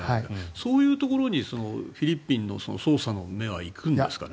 そういうところにフィリピンの捜査の目は行くんですかね。